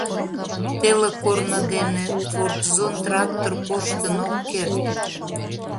Теле корно дене «Фордзон» трактор коштын ок керт.